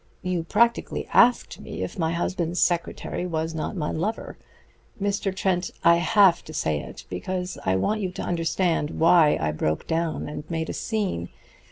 You practically asked me if my husband's secretary was not my lover, Mr. Trent I have to say it, because I want you to understand why I broke down and made a scene.